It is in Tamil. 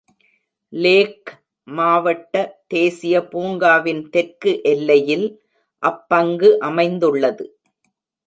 லேக் மாவட்ட தேசிய பூங்காவின் தெற்கு எல்லையில் அப்பங்கு அமைந்துள்ளது.